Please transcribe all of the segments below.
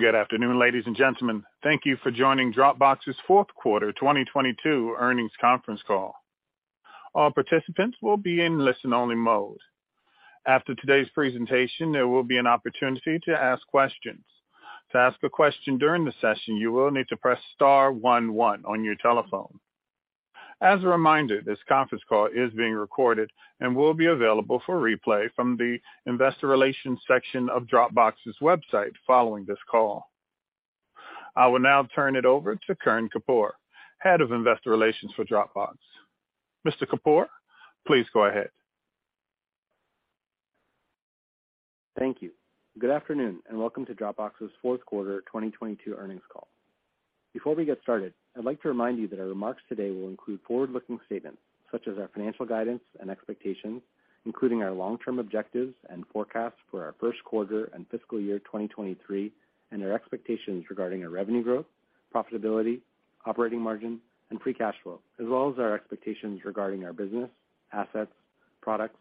Good afternoon, ladies and gentlemen. Thank you for joining Dropbox's Fourth Quarter 2022 Earnings Conference Call. All participants will be in listen-only mode. After today's presentation, there will be an opportunity to ask questions. To ask a question during the session, you will need to press star one one on your telephone. As a reminder, this conference call is being recorded and will be available for replay from the Investor Relations section of Dropbox's website following this call. I will now turn it over to Karan Kapoor, Head of Investor Relations for Dropbox. Mr. Kapoor, please go ahead. Thank you. Good afternoon. Welcome to Dropbox's Fourth Quarter 2022 Earnings Call. Before we get started, I'd like to remind you that our remarks today will include forward-looking statements such as our financial guidance and expectations, including our long-term objectives and forecasts for our first quarter and fiscal year 2023, and our expectations regarding our revenue growth, profitability, operating margin, and free cash flow, as well as our expectations regarding our business, assets, products,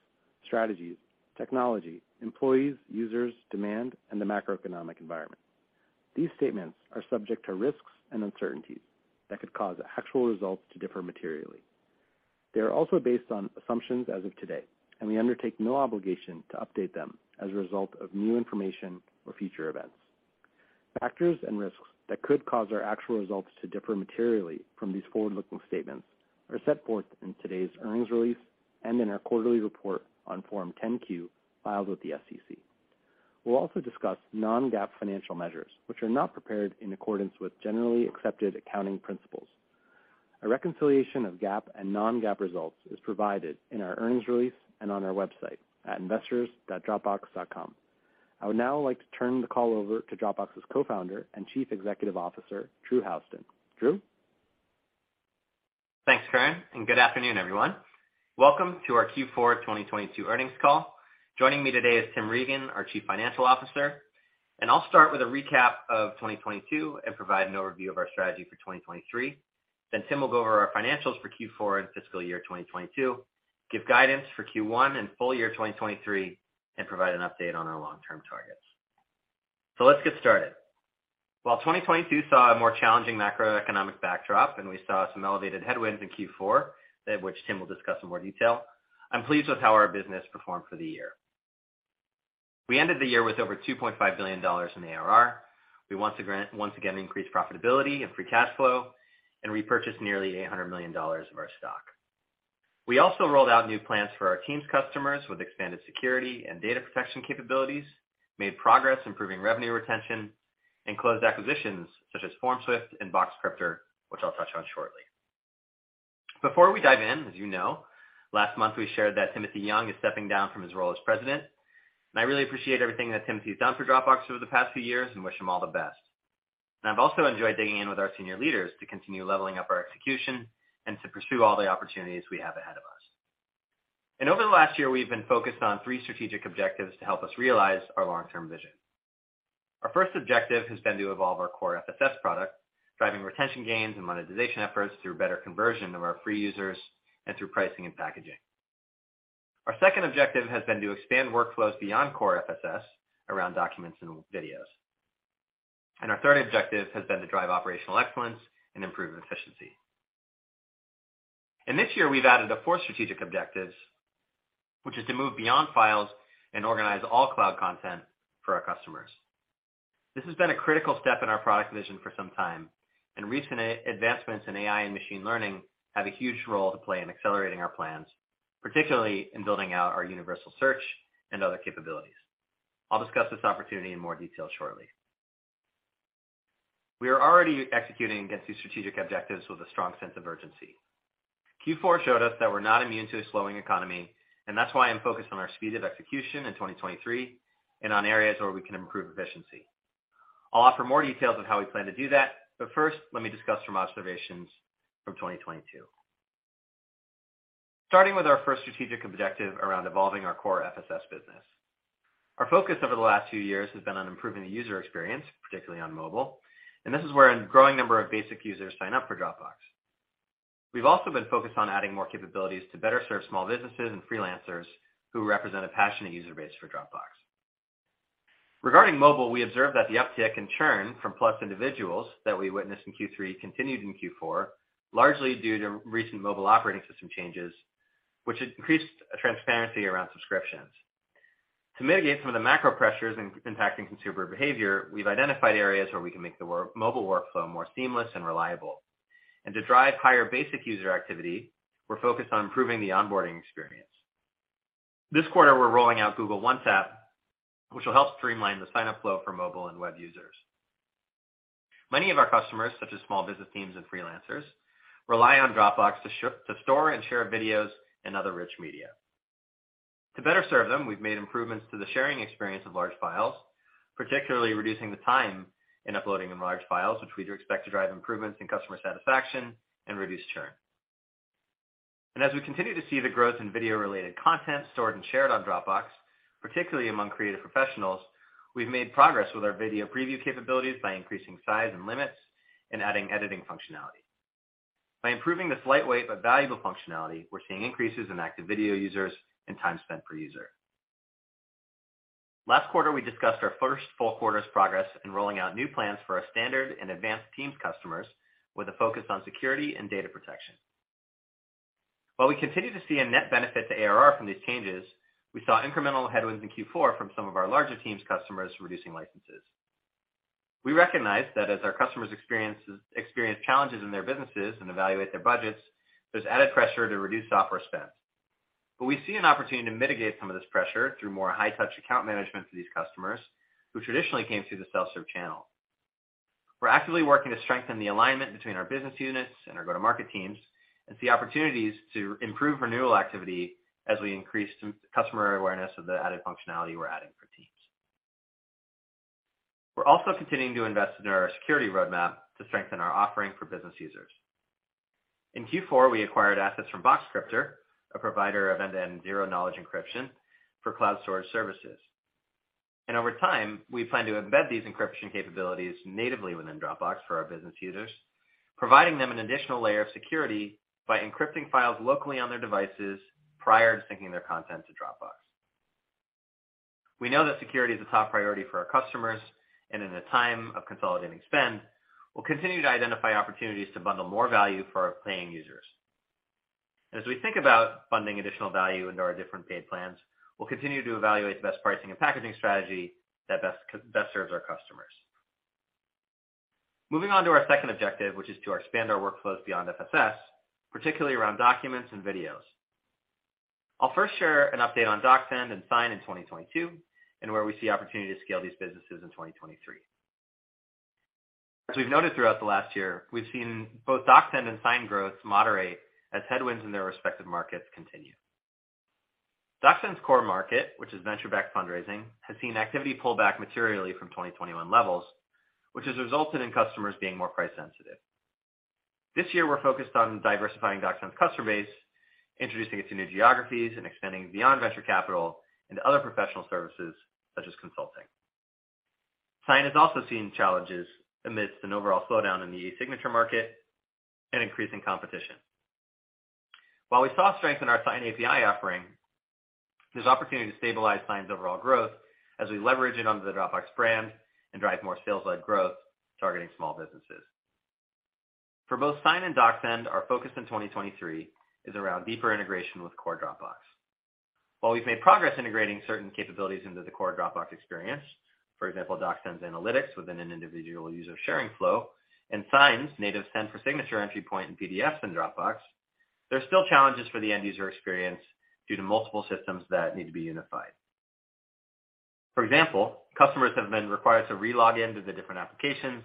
strategies, technology, employees, users, demand, and the macroeconomic environment. These statements are subject to risks and uncertainties that could cause actual results to differ materially. They are also based on assumptions as of today. We undertake no obligation to update them as a result of new information or future events. Factors and risks that could cause our actual results to differ materially from these forward-looking statements are set forth in today's earnings release and in our quarterly report on Form 10-Q filed with the SEC. We'll also discuss non-GAAP financial measures, which are not prepared in accordance with generally accepted accounting principles. A reconciliation of GAAP and non-GAAP results is provided in our earnings release and on our website at investors.dropbox.com. I would now like to turn the call over to Dropbox's Co-founder and Chief Executive Officer, Drew Houston. Drew? Thanks, Karan. Good afternoon, everyone. Welcome to our Q4 2022 earnings call. Joining me today is Tim Regan, our Chief Financial Officer. I'll start with a recap of 2022 and provide an overview of our strategy for 2023. Tim will go over our financials for Q4 and fiscal year 2022, give guidance for Q1 and full year 2023, and provide an update on our long-term targets. Let's get started. While 2022 saw a more challenging macroeconomic backdrop and we saw some elevated headwinds in Q4, that which Tim will discuss in more detail, I'm pleased with how our business performed for the year. We ended the year with over $2.5 billion in ARR. We once again increased profitability and free cash flow and repurchased nearly $800 million of our stock. We also rolled out new plans for our team's customers with expanded security and data protection capabilities, made progress improving revenue retention, and closed acquisitions such as FormSwift and Boxcryptor, which I'll touch on shortly. Before we dive in, as you know, last month we shared that Timothy Young is stepping down from his role as president. I really appreciate everything that Timothy's done for Dropbox over the past few years and wish him all the best. I've also enjoyed digging in with our senior leaders to continue leveling up our execution and to pursue all the opportunities we have ahead of us. Over the last year, we've been focused on three strategic objectives to help us realize our long-term vision. Our first objective has been to evolve our core FSS product, driving retention gains and monetization efforts through better conversion of our free users and through pricing and packaging. Our second objective has been to expand workflows beyond core FSS around documents and videos. Our third objective has been to drive operational excellence and improve efficiency. This year, we've added a fourth strategic objective, which is to move beyond files and organize all cloud content for our customers. This has been a critical step in our product vision for some time, and recent advancements in AI and machine learning have a huge role to play in accelerating our plans, particularly in building out our universal search and other capabilities. I'll discuss this opportunity in more detail shortly. We are already executing against these strategic objectives with a strong sense of urgency. Q4 showed us that we're not immune to a slowing economy. That's why I'm focused on our speed of execution in 2023 and on areas where we can improve efficiency. I'll offer more details on how we plan to do that. First, let me discuss some observations from 2022. Starting with our first strategic objective around evolving our core FSS business. Our focus over the last few years has been on improving the user experience, particularly on mobile, and this is where a growing number of basic users sign up for Dropbox. We've also been focused on adding more capabilities to better serve small businesses and freelancers who represent a passionate user base for Dropbox. Regarding mobile, we observed that the uptick in churn from Plus Individuals that we witnessed in Q3 continued in Q4, largely due to recent mobile operating system changes, which increased transparency around subscriptions. To mitigate some of the macro pressures impacting consumer behavior, we've identified areas where we can make the mobile workflow more seamless and reliable. To drive higher basic user activity, we're focused on improving the onboarding experience. This quarter, we're rolling out Google One Tap, which will help streamline the sign-up flow for mobile and web users. Many of our customers, such as small business teams and freelancers, rely on Dropbox to store and share videos and other rich media. To better serve them, we've made improvements to the sharing experience of large files, particularly reducing the time in uploading of large files, which we do expect to drive improvements in customer satisfaction and reduce churn. As we continue to see the growth in video-related content stored and shared on Dropbox, particularly among creative professionals, we've made progress with our video preview capabilities by increasing size and limits and adding editing functionality. By improving this lightweight but valuable functionality, we're seeing increases in active video users and time spent per user. Last quarter, we discussed our first full quarter's progress in rolling out new plans for our standard and advanced teams customers with a focus on security and data protection. While we continue to see a net benefit to ARR from these changes, we saw incremental headwinds in Q-four from some of our larger teams customers reducing licenses. We recognize that as our customers experience challenges in their businesses and evaluate their budgets, there's added pressure to reduce software spend. We see an opportunity to mitigate some of this pressure through more high-touch account management for these customers who traditionally came through the self-serve channel. We're actively working to strengthen the alignment between our business units and our go-to-market teams and see opportunities to improve renewal activity as we increase customer awareness of the added functionality we're adding for teams. We're also continuing to invest in our security roadmap to strengthen our offering for business users. In Q-four, we acquired assets from Boxcryptor, a provider of end-to-end zero-knowledge encryption for cloud storage services. Over time, we plan to embed these encryption capabilities natively within Dropbox for our business users, providing them an additional layer of security by encrypting files locally on their devices prior to syncing their content to Dropbox. We know that security is a top priority for our customers, and in a time of consolidating spend, we'll continue to identify opportunities to bundle more value for our paying users. As we think about funding additional value into our different paid plans, we'll continue to evaluate the best pricing and packaging strategy that best serves our customers. Moving on to our second objective, which is to expand our workflows beyond FSS, particularly around documents and videos. I'll first share an update on DocSend and Sign in 2022 and where we see opportunity to scale these businesses in 2023. As we've noted throughout the last year, we've seen both DocSend and Sign growth moderate as headwinds in their respective markets continue. DocSend's core market, which is venture-backed fundraising, has seen activity pull back materially from 2021 levels, which has resulted in customers being more price sensitive. This year, we're focused on diversifying DocSend's customer base, introducing it to new geographies, and extending beyond venture capital into other professional services such as consulting. Sign has also seen challenges amidst an overall slowdown in the e-signature market and increasing competition. While we saw strength in our Sign API offering, there's opportunity to stabilize Sign's overall growth as we leverage it under the Dropbox brand and drive more sales-led growth targeting small businesses. For both Sign and DocSend, our focus in 2023 is around deeper integration with core Dropbox. While we've made progress integrating certain capabilities into the core Dropbox experience, for example, DocSend's analytics within an individual user sharing flow and Sign's native send for signature entry point in PDFs in Dropbox, there's still challenges for the end user experience due to multiple systems that need to be unified. For example, customers have been required to re-log in to the different applications,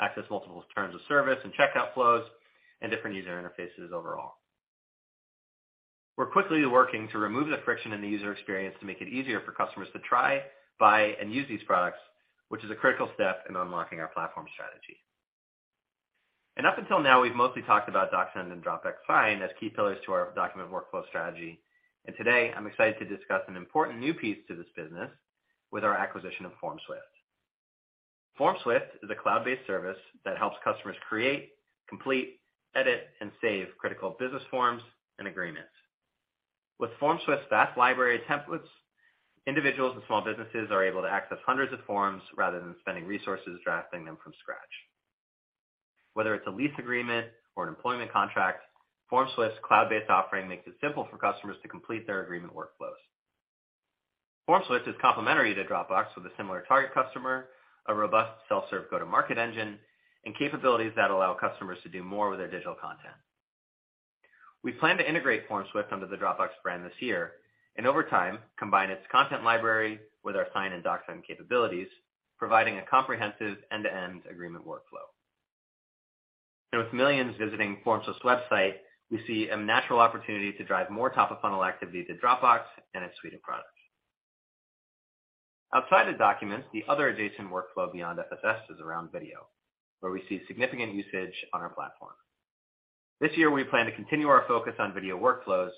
access multiple terms of service and checkout flows, and different user interfaces overall. We're quickly working to remove the friction in the user experience to make it easier for customers to try, buy, and use these products, which is a critical step in unlocking our platform strategy. Up until now, we've mostly talked about DocSend and Dropbox Sign as key pillars to our document workflow strategy. Today, I'm excited to discuss an important new piece to this business with our acquisition of FormSwift. FormSwift is a cloud-based service that helps customers create, complete, edit, and save critical business forms and agreements. With FormSwift's vast library of templates, individuals and small businesses are able to access hundreds of forms rather than spending resources drafting them from scratch. Whether it's a lease agreement or an employment contract, FormSwift's cloud-based offering makes it simple for customers to complete their agreement workflows. FormSwift is complementary to Dropbox with a similar target customer, a robust self-serve go-to-market engine, and capabilities that allow customers to do more with their digital content. We plan to integrate FormSwift under the Dropbox brand this year and, over time, combine its content library with our Sign and DocSend capabilities, providing a comprehensive end-to-end agreement workflow. With millions visiting FormSwift's website, we see a natural opportunity to drive more top-of-funnel activity to Dropbox and its suite of products. Outside of documents, the other adjacent workflow beyond FSS is around video, where we see significant usage on our platform. This year, we plan to continue our focus on video workflows,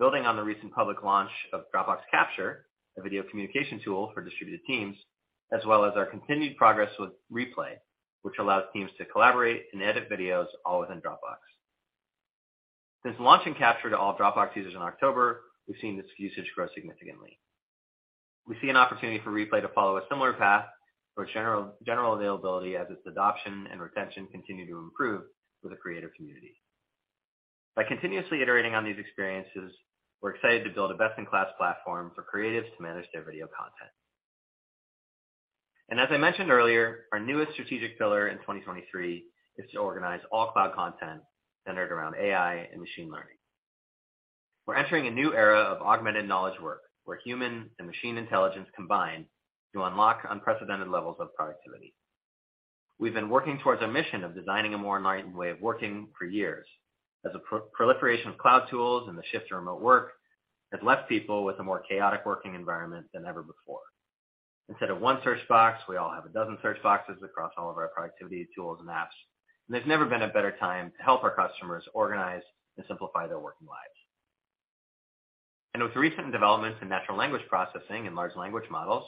building on the recent public launch of Dropbox Capture, a video communication tool for distributed teams, as well as our continued progress with Replay, which allows teams to collaborate and edit videos all within Dropbox. Since launching Capture to all Dropbox users in October, we've seen its usage grow significantly. We see an opportunity for Replay to follow a similar path for general availability as its adoption and retention continue to improve with the creative community. By continuously iterating on these experiences, we're excited to build a best-in-class platform for creatives to manage their video content. As I mentioned earlier, our newest strategic pillar in 2023 is to organize all cloud content centered around AI and machine learning. We're entering a new era of augmented knowledge work, where human and machine intelligence combine to unlock unprecedented levels of productivity. We've been working towards our mission of designing a more enlightened way of working for years as the proliferation of cloud tools and the shift to remote work has left people with a more chaotic working environment than ever before. Instead of one search box, we all have a dozen search boxes across all of our productivity tools and apps, there's never been a better time to help our customers organize and simplify their working lives. With recent developments in natural language processing and large language models,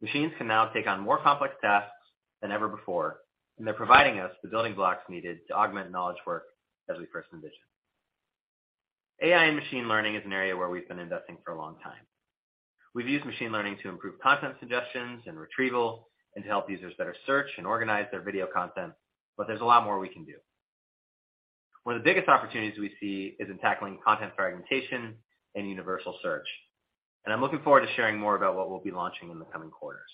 machines can now take on more complex tasks than ever before, and they're providing us the building blocks needed to augment knowledge work as we first envisioned. AI and machine learning is an area where we've been investing for a long time. We've used machine learning to improve content suggestions and retrieval, and to help users better search and organize their video content, but there's a lot more we can do. One of the biggest opportunities we see is in tackling content fragmentation and universal search, and I'm looking forward to sharing more about what we'll be launching in the coming quarters.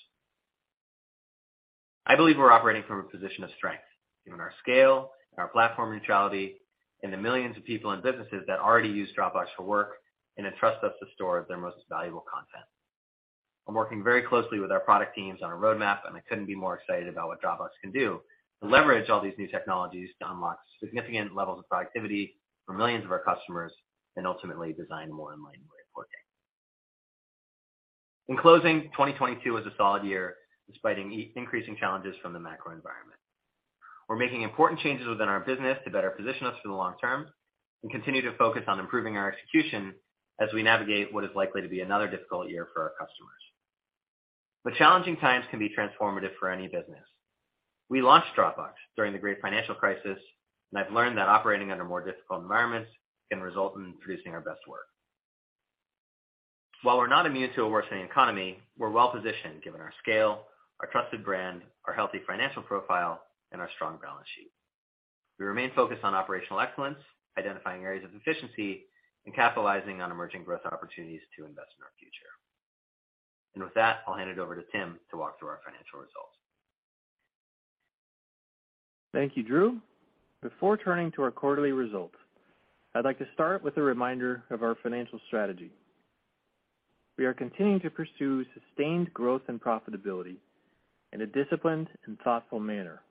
I believe we're operating from a position of strength, given our scale and our platform neutrality, and the millions of people and businesses that already use Dropbox for work and entrust us to store their most valuable content. I'm working very closely with our product teams on a roadmap, and I couldn't be more excited about what Dropbox can do to leverage all these new technologies to unlock significant levels of productivity for millions of our customers and ultimately design a more enlightened way of working. In closing, 2022 was a solid year, despite increasing challenges from the macro environment. We're making important changes within our business to better position us for the long term and continue to focus on improving our execution as we navigate what is likely to be another difficult year for our customers. Challenging times can be transformative for any business. We launched Dropbox during the great financial crisis, and I've learned that operating under more difficult environments can result in producing our best work. While we're not immune to a worsening economy, we're well-positioned given our scale, our trusted brand, our healthy financial profile, and our strong balance sheet. We remain focused on operational excellence, identifying areas of efficiency, and capitalizing on emerging growth opportunities to invest in our future. With that, I'll hand it over to Tim to walk through our financial results. Thank you, Drew. Before turning to our quarterly results, I'd like to start with a reminder of our financial strategy. We are continuing to pursue sustained growth and profitability in a disciplined and thoughtful manner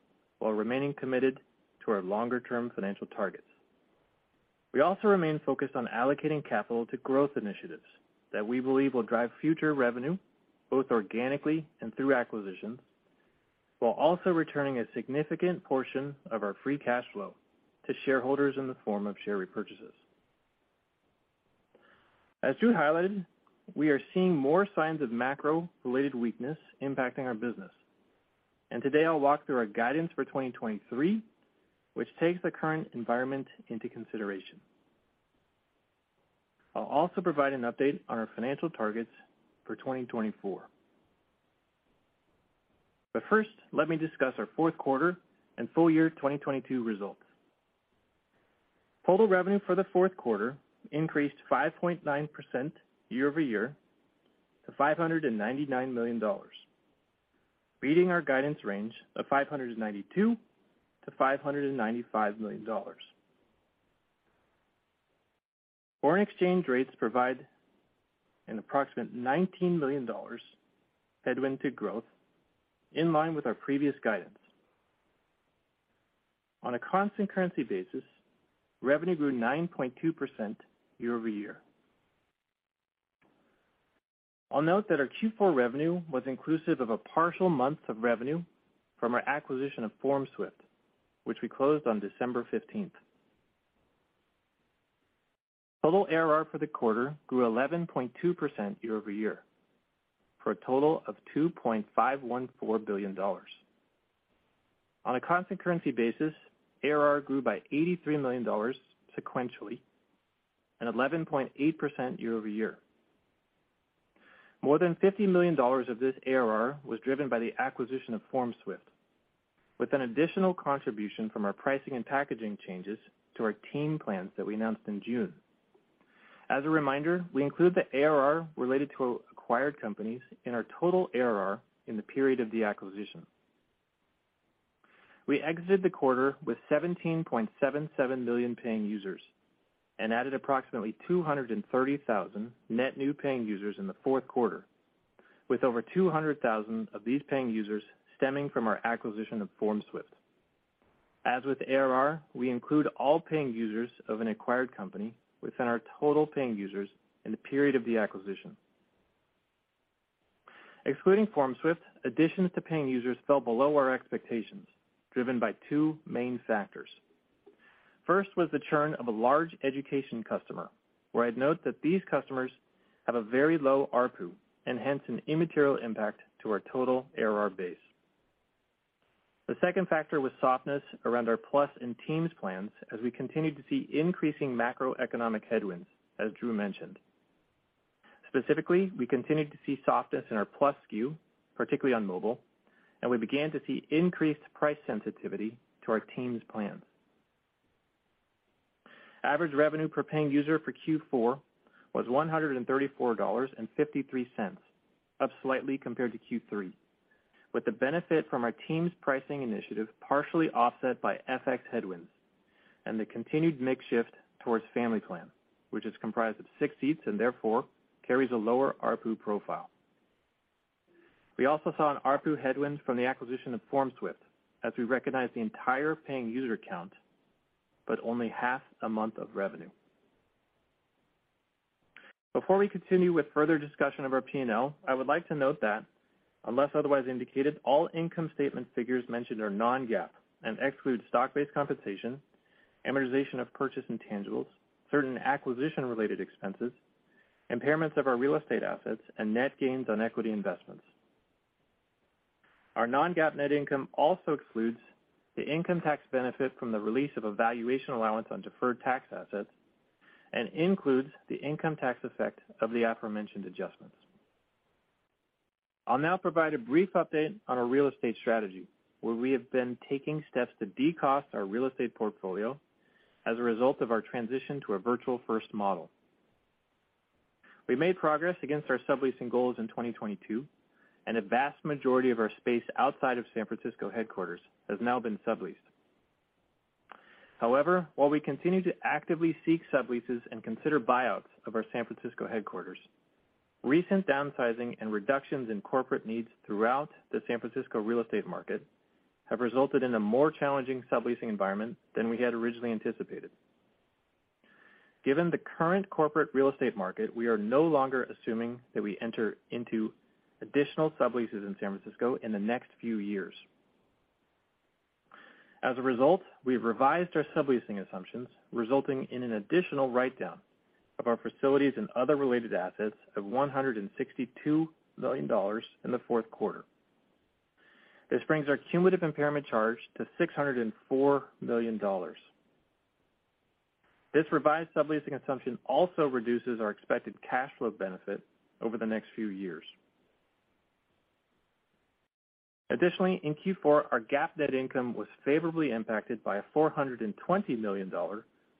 while remaining committed to our longer-term financial targets. We also remain focused on allocating capital to growth initiatives that we believe will drive future revenue, both organically and through acquisitions, while also returning a significant portion of our free cash flow to shareholders in the form of share repurchases. As Drew highlighted, we are seeing more signs of macro-related weakness impacting our business, and today I'll walk through our guidance for 2023, which takes the current environment into consideration. I'll also provide an update on our financial targets for 2024. First, let me discuss our fourth quarter and full year 2022 results. Total revenue for the fourth quarter increased 5.9% year-over-year to $599 million, beating our guidance range of $592 million-$595 million. Foreign exchange rates provide an approximate $19 million headwind to growth, in line with our previous guidance. On a constant currency basis, revenue grew 9.2% year-over-year. I'll note that our Q4 revenue was inclusive of a partial month of revenue from our acquisition of FormSwift, which we closed on December 15th. Total ARR for the quarter grew 11.2% year-over-year for a total of $2.514 billion. On a constant currency basis, ARR grew by $83 million sequentially and 11.8% year-over-year. More than $50 million of this ARR was driven by the acquisition of FormSwift, with an additional contribution from our pricing and packaging changes to our team plans that we announced in June. As a reminder, we include the ARR related to acquired companies in our total ARR in the period of the acquisition. We exited the quarter with 17.77 million paying users and added approximately 230,000 net new paying users in the fourth quarter, with over 200,000 of these paying users stemming from our acquisition of FormSwift. As with ARR, we include all paying users of an acquired company within our total paying users in the period of the acquisition. Excluding FormSwift, additions to paying users fell below our expectations, driven by two main factors. First was the churn of a large education customer, where I'd note that these customers have a very low ARPU and hence an immaterial impact to our total ARR base. The second factor was softness around our plus and teams plans as we continued to see increasing macroeconomic headwinds, as Drew mentioned. Specifically, we continued to see softness in our plus SKU, particularly on mobile, and we began to see increased price sensitivity to our teams plans. Average revenue per paying user for Q4 was $134.53, up slightly compared to Q3, with the benefit from our teams pricing initiative partially offset by FX headwinds and the continued mix shift towards family plan, which is comprised of six seats and therefore carries a lower ARPU profile. We also saw an ARPU headwind from the acquisition of FormSwift as we recognized the entire paying user count, but only half a month of revenue. Before we continue with further discussion of our P&L, I would like to note that unless otherwise indicated, all income statement figures mentioned are non-GAAP and exclude stock-based compensation, amortization of purchase intangibles, certain acquisition related expenses, impairments of our real estate assets, and net gains on equity investments. Our non-GAAP net income also excludes the income tax benefit from the release of a valuation allowance on deferred tax assets and includes the income tax effect of the aforementioned adjustments. I'll now provide a brief update on our real estate strategy, where we have been taking steps to de-cost our real estate portfolio as a result of our transition to a Virtual First model. We made progress against our subleasing goals in 2022. A vast majority of our space outside of San Francisco headquarters has now been subleased. However, while we continue to actively seek subleases and consider buyouts of our San Francisco headquarters, recent downsizing and reductions in corporate needs throughout the San Francisco real estate market have resulted in a more challenging subleasing environment than we had originally anticipated. Given the current corporate real estate market, we are no longer assuming that we enter into additional subleases in San Francisco in the next few years. As a result, we've revised our subleasing assumptions, resulting in an additional write-down of our facilities and other related assets of $162 million in the fourth quarter. This brings our cumulative impairment charge to $604 million. This revised subleasing assumption also reduces our expected cash flow benefit over the next few years. Additionally, in Q4, our GAAP net income was favorably impacted by a $420 million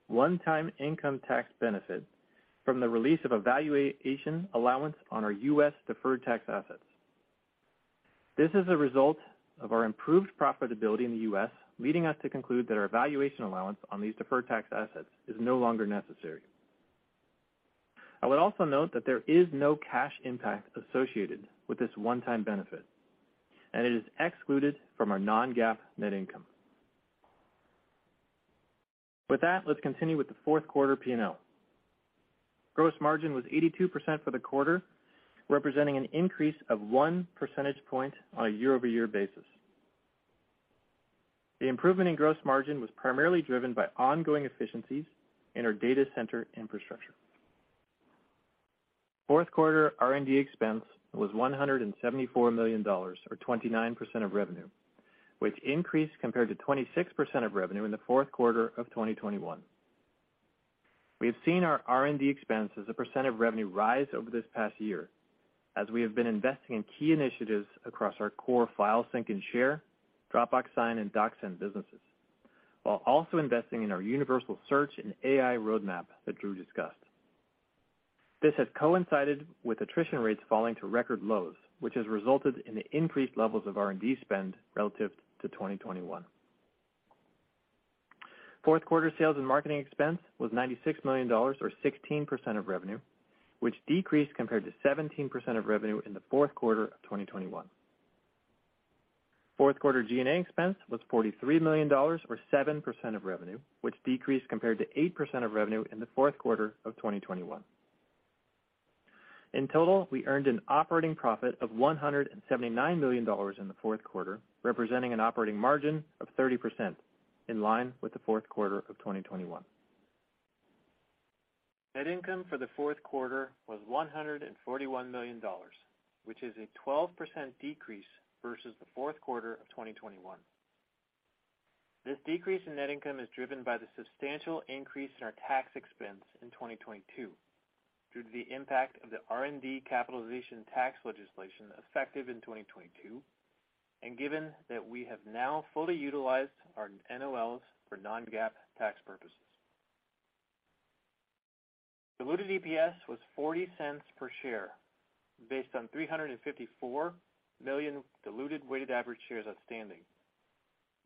one-time income tax benefit from the release of a valuation allowance on our U.S. deferred tax assets. This is a result of our improved profitability in the U.S., leading us to conclude that our valuation allowance on these deferred tax assets is no longer necessary. I would also note that there is no cash impact associated with this one-time benefit, and it is excluded from our non-GAAP net income. Let's continue with the fourth quarter P&L. Gross margin was 82% for the quarter, representing an increase of 1 percentage point on a year-over-year basis. The improvement in gross margin was primarily driven by ongoing efficiencies in our data center infrastructure. Fourth quarter R&D expense was $174 million or 29% of revenue, which increased compared to 26% of revenue in the fourth quarter of 2021. We have seen our R&D expense as a percent of revenue rise over this past year as we have been investing in key initiatives across our core file sync and share, Dropbox Sign, and DocSend businesses, while also investing in our universal search and AI roadmap that Drew discussed. This has coincided with attrition rates falling to record lows, which has resulted in increased levels of R&D spend relative to 2021. Fourth quarter sales and marketing expense was $96 million or 16% of revenue, which decreased compared to 17% of revenue in the fourth quarter of 2021. Fourth quarter G&A expense was $43 million or 7% of revenue, which decreased compared to 8% of revenue in the fourth quarter of 2021. In total, we earned an operating profit of $179 million in the fourth quarter, representing an operating margin of 30% in line with the fourth quarter of 2021. Net income for the fourth quarter was $141 million, which is a 12% decrease versus the fourth quarter of 2021. This decrease in net income is driven by the substantial increase in our tax expense in 2022 due to the impact of the R&D capitalization tax legislation effective in 2022, and given that we have now fully utilized our NOLs for non-GAAP tax purposes. Diluted EPS was $0.40 per share based on 354 million diluted weighted average shares outstanding,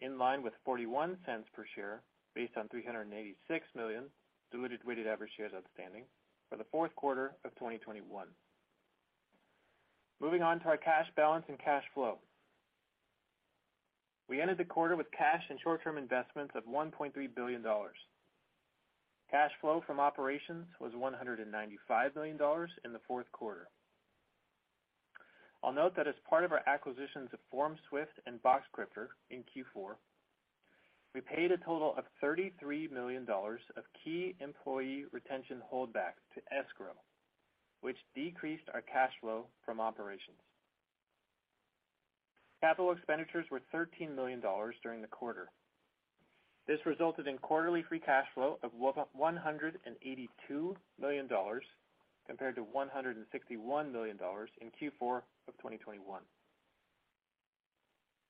in line with $0.41 per share based on 386 million diluted weighted average shares outstanding for the fourth quarter of 2021. Moving on to our cash balance and cash flow. We ended the quarter with cash and short-term investments of $1.3 billion. Cash flow from operations was $195 million in the fourth quarter. I'll note that as part of our acquisitions of FormSwift and Boxcryptor in Q4, we paid a total of $33 million of key employee retention holdback to escrow, which decreased our cash flow from operations. Capital expenditures were $13 million during the quarter. This resulted in quarterly free cash flow of $182 million compared to $161 million in Q4 of 2021.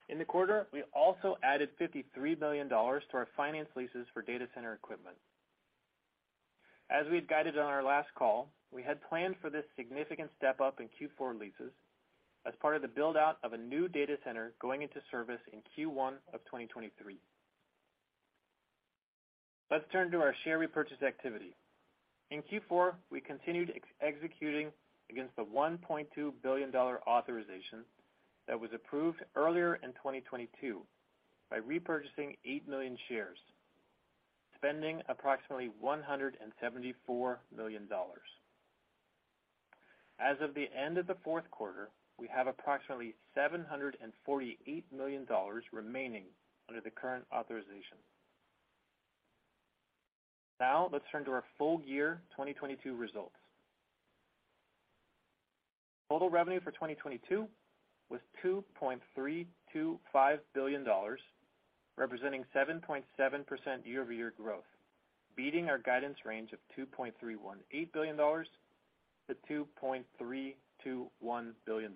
In the quarter, we also added $53 million to our finance leases for data center equipment. As we had guided on our last call, we had planned for this significant step-up in Q4 leases as part of the build-out of a new data center going into service in Q1 of 2023. Let's turn to our share repurchase activity. In Q4, we continued executing against the $1.2 billion authorization that was approved earlier in 2022 by repurchasing 8 million shares, spending approximately $174 million. As of the end of the fourth quarter, we have approximately $748 million remaining under the current authorization. Let's turn to our full year 2022 results. Total revenue for 2022 was $2.325 billion, representing 7.7% year-over-year growth, beating our guidance range of $2.318 billion-$2.321 billion.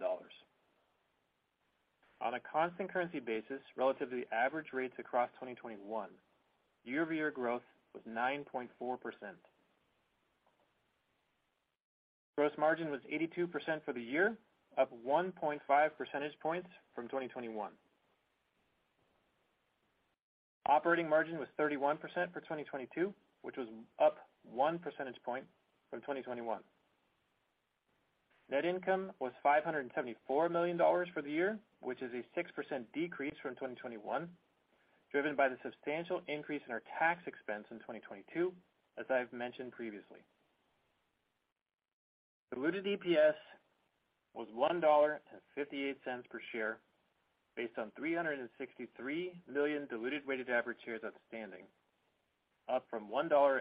On a constant currency basis relative to the average rates across 2021, year-over-year growth was 9.4%. Gross margin was 82% for the year, up 1.5 percentage points from 2021. Operating margin was 31% for 2022, which was up 1 percentage point from 2021. Net income was $574 million for the year, which is a 6% decrease from 2021, driven by the substantial increase in our tax expense in 2022, as I've mentioned previously. Diluted EPS was $1.58 per share based on 363 million diluted weighted average shares outstanding, up from $1.54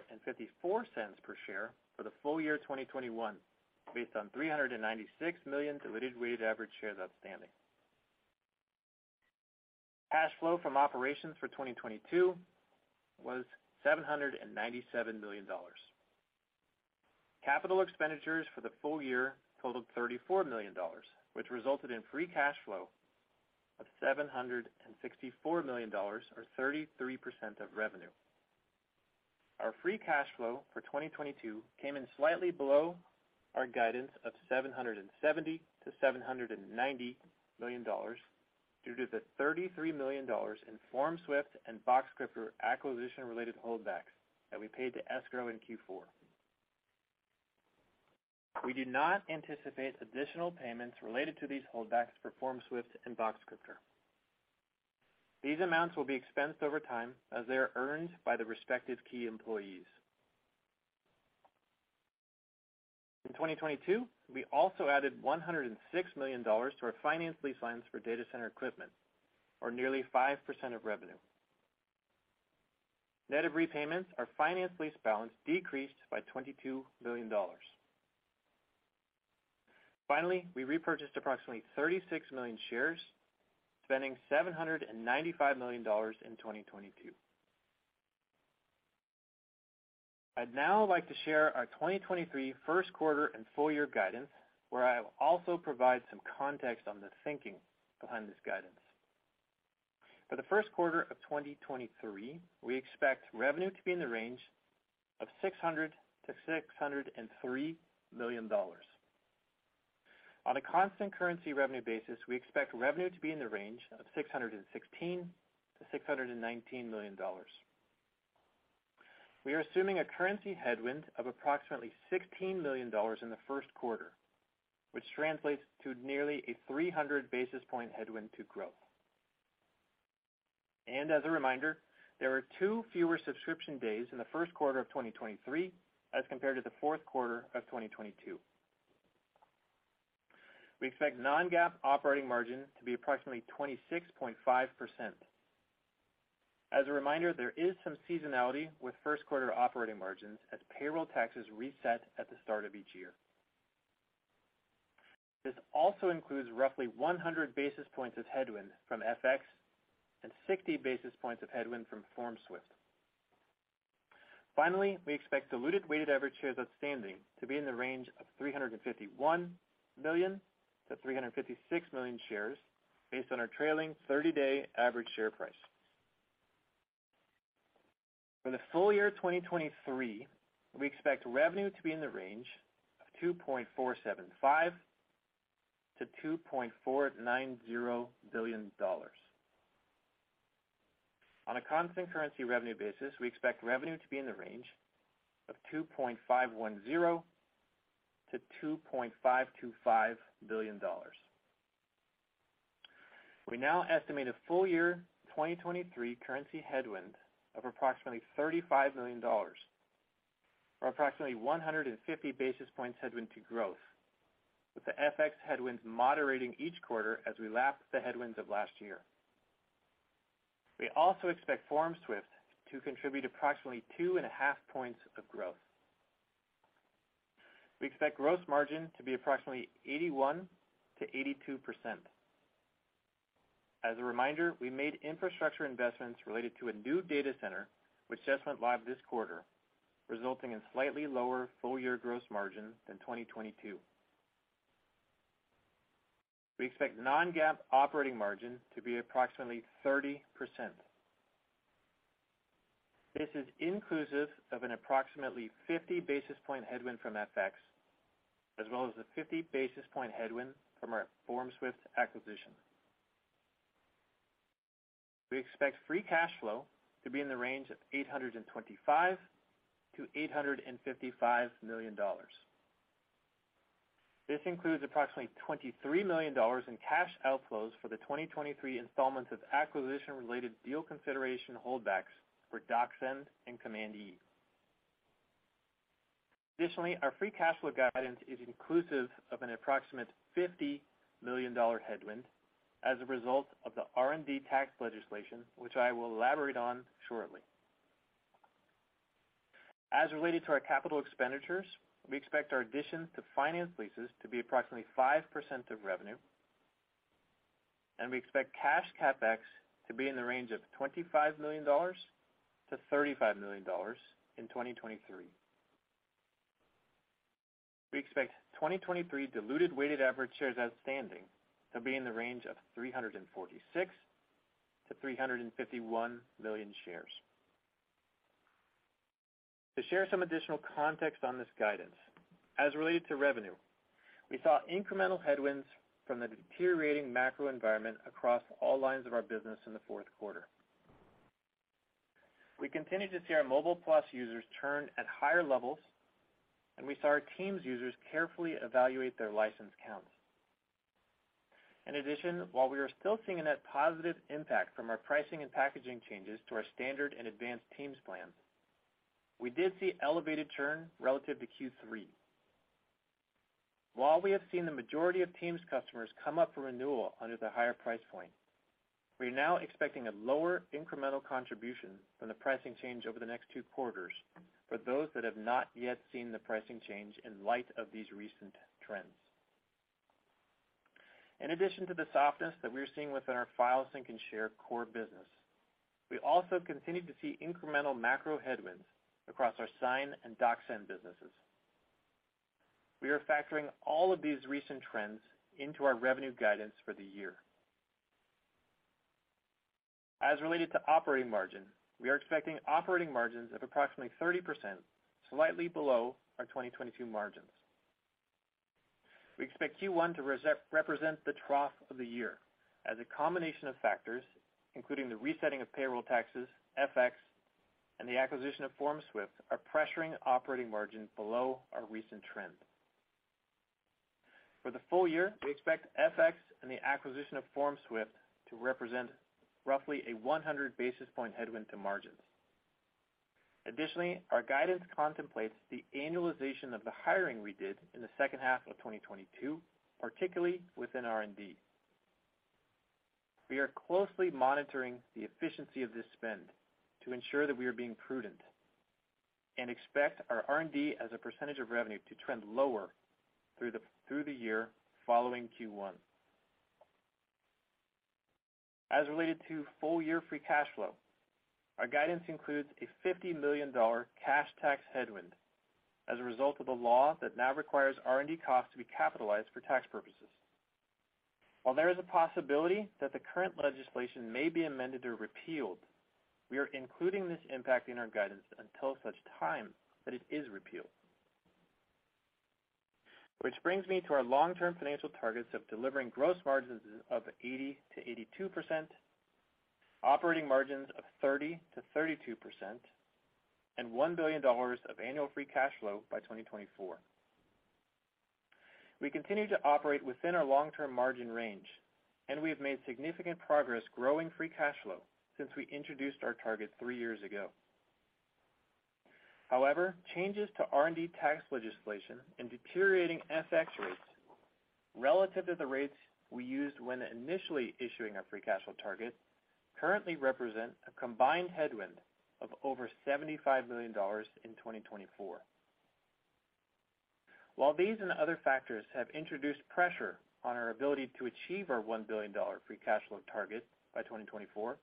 per share for the full year 2021 based on 396 million diluted weighted average shares outstanding. Cash flow from operations for 2022 was $797 million. Capital expenditures for the full year totaled $34 million, which resulted in free cash flow of $764 million or 33% of revenue. Our free cash flow for 2022 came in slightly below our guidance of $770 million-$790 million due to the $33 million in FormSwift and Boxcryptor acquisition-related holdbacks that we paid to escrow in Q4. We do not anticipate additional payments related to these holdbacks for FormSwift and Boxcryptor. These amounts will be expensed over time as they are earned by the respective key employees. In 2022, we also added $106 million to our finance lease lines for data center equipment, or nearly 5% of revenue. Net of repayments, our finance lease balance decreased by $22 million. We repurchased approximately 36 million shares, spending $795 million in 2022. I'd now like to share our 2023 first quarter and full year guidance, where I will also provide some context on the thinking behind this guidance. For the first quarter of 2023, we expect revenue to be in the range of $600 million-$603 million. On a constant currency revenue basis, we expect revenue to be in the range of $616 million-$619 million. We are assuming a currency headwind of approximately $16 million in the first quarter, which translates to nearly a 300 basis point headwind to growth. As a reminder, there are two fewer subscription days in the first quarter of 2023 as compared to the fourth quarter of 2022. We expect non-GAAP operating margin to be approximately 26.5%. As a reminder, there is some seasonality with first quarter operating margins as payroll taxes reset at the start of each year. This also includes roughly 100 basis points of headwind from FX and 60 basis points of headwind from FormSwift. Finally, we expect diluted weighted average shares outstanding to be in the range of 351 million-356 million shares based on our trailing 30-day average share price. For the full year 2023, we expect revenue to be in the range of $2.475 billion-$2.490 billion. On a constant currency revenue basis, we expect revenue to be in the range of $2.510 billion-$2.525 billion. We now estimate a full year 2023 currency headwind of approximately $35 million, or approximately 150 basis points headwind to growth, with the FX headwinds moderating each quarter as we lap the headwinds of last year. We also expect FormSwift to contribute approximately 2.5 points of growth. We expect gross margin to be approximately 81%-82%. As a reminder, we made infrastructure investments related to a new data center, which just went live this quarter, resulting in slightly lower full year gross margin than 2022. We expect non-GAAP operating margin to be approximately 30%. This is inclusive of an approximately 50 basis point headwind from FX, as well as a 50 basis point headwind from our FormSwift acquisition. We expect free cash flow to be in the range of $825 million-$855 million. This includes approximately $23 million in cash outflows for the 2023 installments of acquisition-related deal consideration holdbacks for DocSend and Command E. Additionally, our free cash flow guidance is inclusive of an approximate $50 million headwind as a result of the R&D tax legislation, which I will elaborate on shortly. As related to our capital expenditures, we expect our additions to finance leases to be approximately 5% of revenue, and we expect cash CapEx to be in the range of $25 million-$35 million in 2023. We expect 2023 diluted weighted average shares outstanding to be in the range of 346 million-351 million shares. To share some additional context on this guidance, as related to revenue, we saw incremental headwinds from the deteriorating macro environment across all lines of our business in the fourth quarter. We continued to see our Mobile Plus users churn at higher levels, and we saw our Teams users carefully evaluate their license counts. In addition, while we are still seeing a net positive impact from our pricing and packaging changes to our standard and advanced Teams plans, we did see elevated churn relative to Q3. While we have seen the majority of Teams customers come up for renewal under the higher price point, we are now expecting a lower incremental contribution from the pricing change over the next two quarters for those that have not yet seen the pricing change in light of these recent trends. In addition to the softness that we are seeing within our file sync and share core business, we also continued to see incremental macro headwinds across our Sign and DocSend businesses. We are factoring all of these recent trends into our revenue guidance for the year. As related to operating margin, we are expecting operating margins of approximately 30%, slightly below our 2022 margins. We expect Q1 to represent the trough of the year as a combination of factors, including the resetting of payroll taxes, FX, and the acquisition of FormSwift are pressuring operating margin below our recent trend. For the full year, we expect FX and the acquisition of FormSwift to represent roughly a 100 basis point headwind to margins. Our guidance contemplates the annualization of the hiring we did in the second half of 2022, particularly within R&D. We are closely monitoring the efficiency of this spend to ensure that we are being prudent and expect our R&D as a % of revenue to trend lower through the year following Q1. As related to full-year free cash flow, our guidance includes a $50 million cash tax headwind as a result of a law that now requires R&D costs to be capitalized for tax purposes. While there is a possibility that the current legislation may be amended or repealed, we are including this impact in our guidance until such time that it is repealed. Which brings me to our long-term financial targets of delivering gross margins of 80%-82%, operating margins of 30%-32%, and $1 billion of annual free cash flow by 2024. We continue to operate within our long-term margin range, and we have made significant progress growing free cash flow since we introduced our target three years ago. However, changes to R&D tax legislation and deteriorating FX rates relative to the rates we used when initially issuing our free cash flow target currently represent a combined headwind of over $75 million in 2024. While these and other factors have introduced pressure on our ability to achieve our $1 billion free cash flow target by 2024,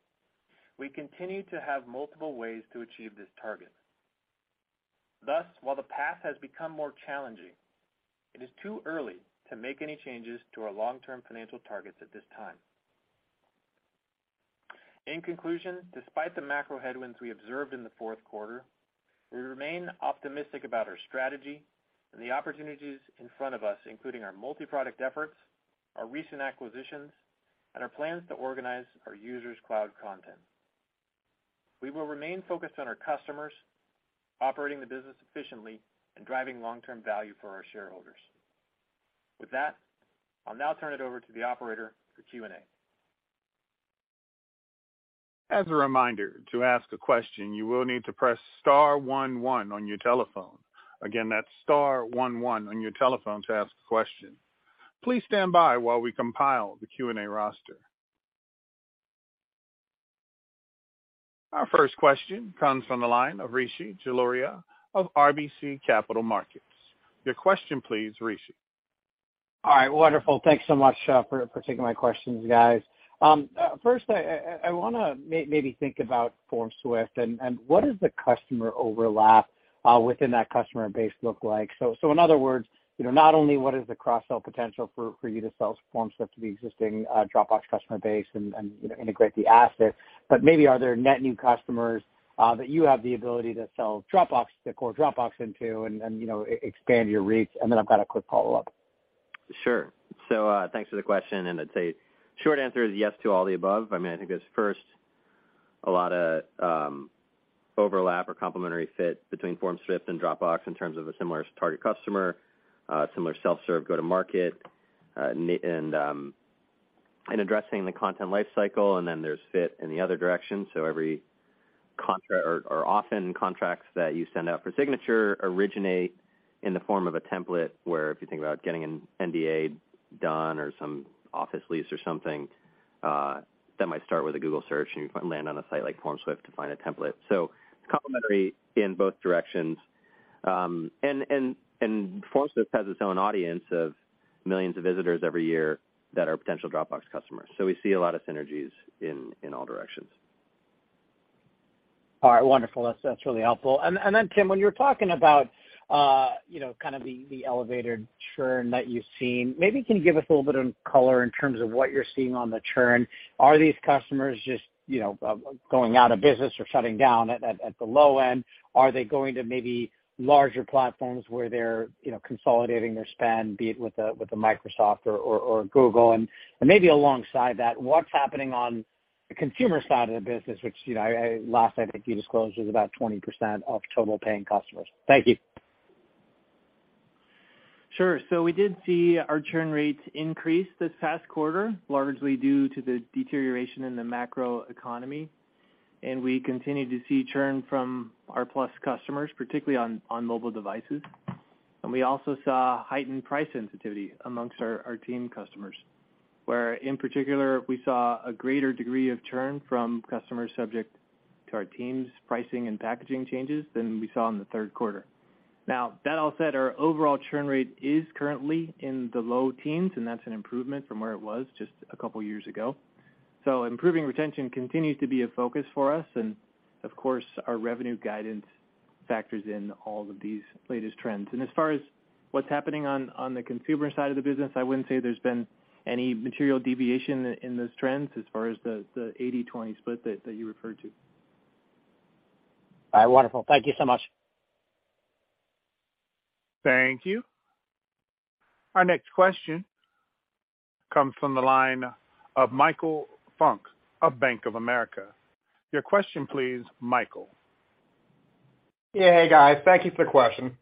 we continue to have multiple ways to achieve this target. Thus, while the path has become more challenging, it is too early to make any changes to our long-term financial targets at this time. In conclusion, despite the macro headwinds we observed in the fourth quarter, we remain optimistic about our strategy and the opportunities in front of us, including our multi-product efforts, our recent acquisitions, and our plans to organize our users' cloud content. We will remain focused on our customers, operating the business efficiently, and driving long-term value for our shareholders. With that, I'll now turn it over to the operator for Q&A. As a reminder, to ask a question, you will need to press star one one on your telephone. That's star one one on your telephone to ask a question. Please stand by while we compile the Q&A roster. Our first question comes from the line of Rishi Jaluria of RBC Capital Markets. Your question, please, Rishi. All right. Wonderful. Thanks so much for taking my questions, guys. First I want to maybe think about FormSwift and what is the customer overlap within that customer base look like? In other words, you know, not only what is the cross-sell potential for you to sell FormSwift to the existing Dropbox customer base and, you know, integrate the asset, but maybe are there net new customers that you have the ability to sell Dropbox, the core Dropbox into and, you know, expand your reach? Then I've got a quick follow-up. Sure. thanks for the question, and I'd say short answer is yes to all the above. I mean, I think there's first a lot of, overlap or complementary fit between FormSwift and Dropbox in terms of a similar target customer, similar self-serve go-to-market, and. In addressing the content life cycle. Then there's fit in the other direction. Every contract or often contracts that you send out for signature originate in the form of a template, where if you think about getting an NDA done or some office lease or something, that might start with a Google search, and you land on a site like FormSwift to find a template. It's complementary in both directions. And FormSwift has its own audience of millions of visitors every year that are potential Dropbox customers. We see a lot of synergies in all directions. All right. Wonderful. That's really helpful. Then Tim, when you were talking about, you know, kind of the elevated churn that you've seen, maybe can you give us a little bit of color in terms of what you're seeing on the churn? Are these customers just, you know, going out of business or shutting down at the low end? Are they going to maybe larger platforms where they're, you know, consolidating their spend, be it with a Microsoft or Google? Maybe alongside that, what's happening on the consumer side of the business, which, you know, Last, I think you disclosed was about 20% of total paying customers. Thank you. Sure. We did see our churn rates increase this past quarter, largely due to the deterioration in the macroeconomy. We continued to see churn from our Plus customers, particularly on mobile devices. We also saw heightened price sensitivity amongst our team customers, where in particular, we saw a greater degree of churn from customers subject to our teams' pricing and packaging changes than we saw in the third quarter. That all said, our overall churn rate is currently in the low teens, and that's an improvement from where it was just a couple years ago. Improving retention continues to be a focus for us. Of course, our revenue guidance factors in all of these latest trends. As far as what's happening on the consumer side of the business, I wouldn't say there's been any material deviation in those trends as far as the 80-20 split that you referred to. All right. Wonderful. Thank you so much. Thank you. Our next question comes from the line of Michael Funk of Bank of America. Your question please, Michael. Yeah. Hey, guys. Thank you for the question.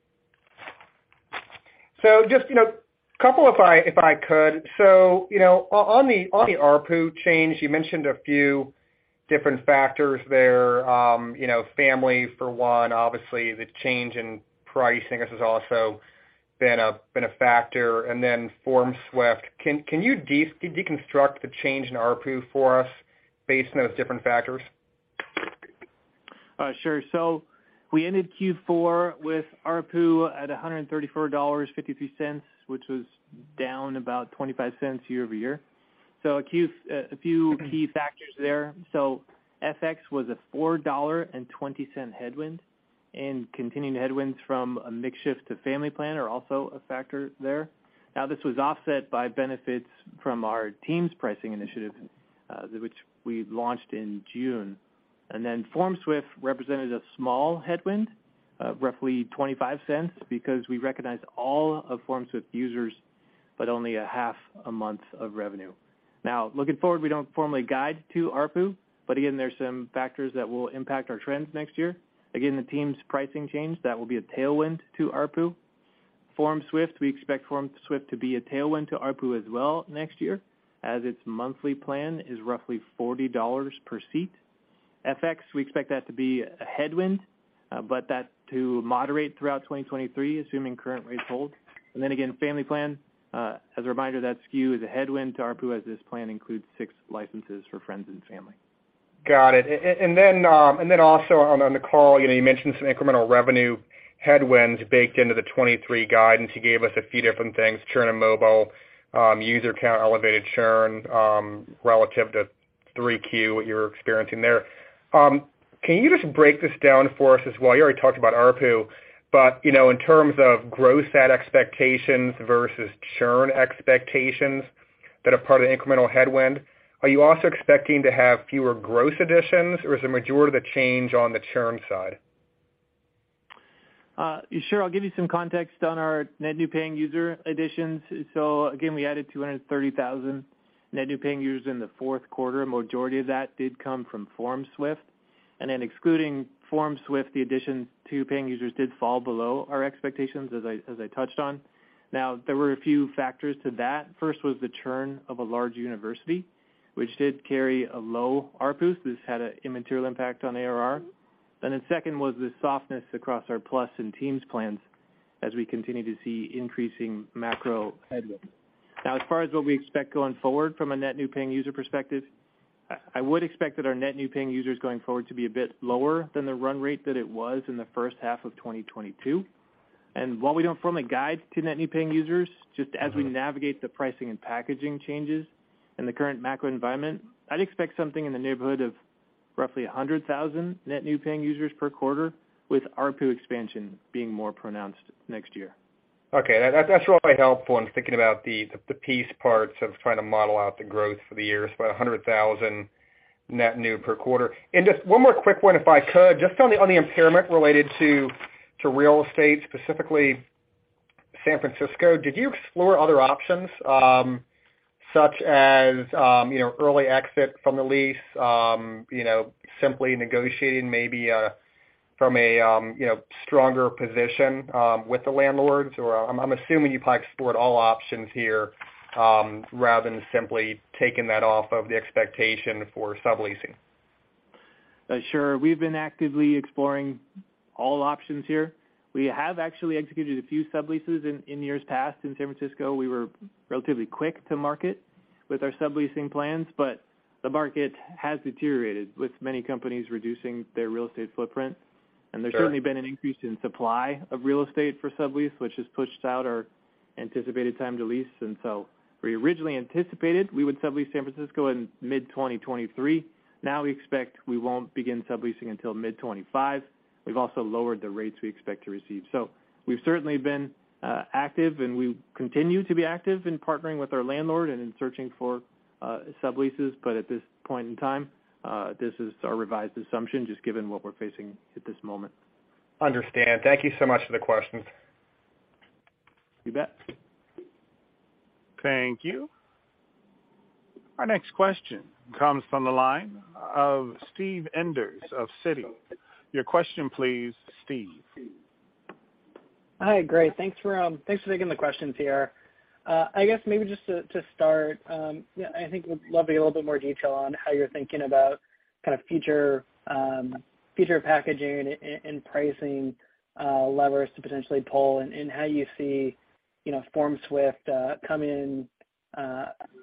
Just, you know, a couple if I, if I could. You know, on the ARPU change, you mentioned a few different factors there. You know, family for one, obviously the change in pricing has also been a, been a factor, and then FormSwift. Can you deconstruct the change in ARPU for us based on those different factors? Sure. We ended Q4 with ARPU at $134.53, which was down about $0.25 year-over-year. A few key factors there. FX was a $4.20 headwind, and continuing headwinds from a mix shift to Dropbox Family are also a factor there. This was offset by benefits from our teams' pricing initiative, which we launched in June. FormSwift represented a small headwind of roughly $0.25 because we recognized all of FormSwift users, but only a half a month of revenue. Looking forward, we don't formally guide to ARPU, but again, there's some factors that will impact our trends next year. Again, the teams' pricing change, that will be a tailwind to ARPU. FormSwift, we expect FormSwift to be a tailwind to ARPU as well next year, as its monthly plan is roughly $40 per seat. FX, we expect that to be a headwind, but that to moderate throughout 2023, assuming current rates hold. Again, Dropbox Family, as a reminder, that SKU is a headwind to ARPU as this plan includes six licenses for friends and family. Got it. Then also on the call, you know, you mentioned some incremental revenue headwinds baked into the 23 guidance. You gave us a few different things, churn in mobile, user count, elevated churn relative to 3Q, what you're experiencing there. Can you just break this down for us as well? You already talked about ARPU, you know, in terms of gross add expectations versus churn expectations that are part of the incremental headwind, are you also expecting to have fewer gross additions, or is the majority of the change on the churn side? Sure. I'll give you some context on our net new paying user additions. Again, we added 230,000 net new paying users in the fourth quarter. Majority of that did come from FormSwift. Excluding FormSwift, the addition to paying users did fall below our expectations, as I touched on. There were a few factors to that. First was the churn of a large university, which did carry a low ARPU. This had a immaterial impact on ARR. In second was the softness across our Plus and teams plans as we continue to see increasing macro headwind. As far as what we expect going forward from a net new paying user perspective, I would expect that our net new paying users going forward to be a bit lower than the run rate that it was in the first half of 2022. While we don't formally guide to net new paying users, just as we navigate the pricing and packaging changes in the current macro environment, I'd expect something in the neighborhood of roughly 100,000 net new paying users per quarter, with ARPU expansion being more pronounced next year. Okay. That's really helpful in thinking about the piece parts of trying to model out the growth for the year. It's about 100,000 net new per quarter. Just one more quick one, if I could. Just on the impairment related to real estate, specifically San Francisco, did you explore other options, such as, you know, early exit from the lease, you know, simply negotiating maybe a. From a, you know, stronger position, with the landlords? I'm assuming you probably explored all options here, rather than simply taking that off of the expectation for subleasing. Sure. We've been actively exploring all options here. We have actually executed a few subleases in years past in San Francisco. We were relatively quick to market with our subleasing plans, but the market has deteriorated with many companies reducing their real estate footprint. Sure. There's certainly been an increase in supply of real estate for sublease, which has pushed out our anticipated time to lease. We originally anticipated we would sublease San Francisco in mid 2023. Now we expect we won't begin subleasing until mid 2025. We've also lowered the rates we expect to receive. We've certainly been active, and we continue to be active in partnering with our landlord and in searching for subleases. At this point in time, this is our revised assumption, just given what we're facing at this moment. Understand. Thank you so much for the questions. You bet. Thank you. Our next question comes from the line of Steve Enders of Citi. Your question please, Steve. Hi, great. Thanks for taking the questions here. I guess maybe just to start, yeah, I think we'd love to get a little bit more detail on how you're thinking about kind of future packaging and pricing levers to potentially pull and how you see, you know, FormSwift come in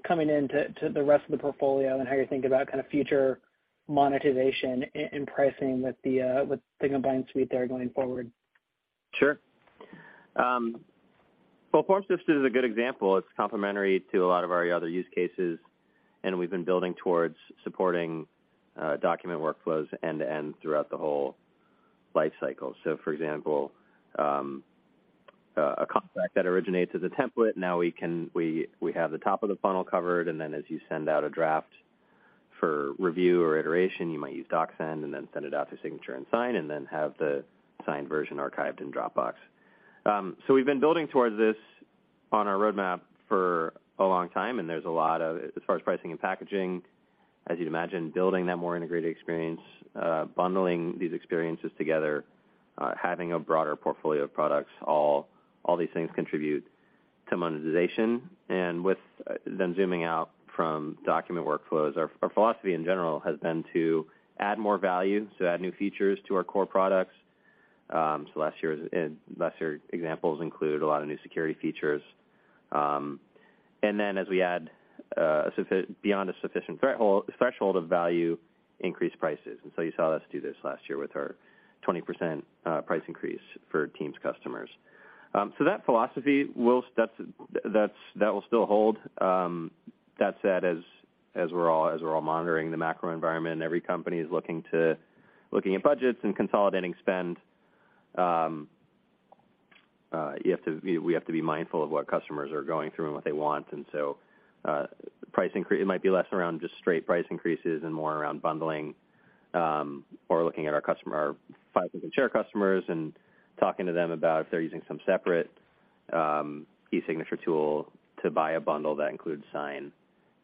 coming into the rest of the portfolio and how you think about kind of future monetization and pricing with the combined suite there going forward. Sure. Well, FormSwift is a good example. It's complementary to a lot of our other use cases. We've been building towards supporting document workflows end-to-end throughout the whole life cycle. For example, a contract that originates as a template, now we have the top of the funnel covered. As you send out a draft for review or iteration, you might use DocSend, then send it out to signature and Sign, then have the signed version archived in Dropbox. We've been building towards this on our roadmap for a long time. There's a lot of, as far as pricing and packaging, as you'd imagine, building that more integrated experience, bundling these experiences together, having a broader portfolio of products, all these things contribute to monetization. With then zooming out from document workflows, our philosophy in general has been to add more value, so add new features to our core products. Last year examples include a lot of new security features. As we add, beyond a sufficient threshold of value, increased prices. You saw us do this last year with our 20% price increase for teams customers. That philosophy will, that's, that will still hold. That said, as we're all monitoring the macro environment, every company is looking at budgets and consolidating spend, we have to be mindful of what customers are going through and what they want. Price increase, it might be less around just straight price increases and more around bundling, or looking at our customer, our file sync and share customers and talking to them about if they're using some separate e-signature tool to buy a bundle that includes Sign